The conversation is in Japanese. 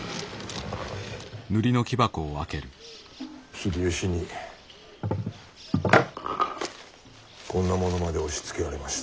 秀吉にこんなものまで押しつけられました。